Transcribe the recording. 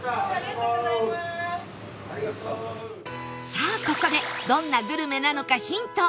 さあここでどんなグルメなのかヒント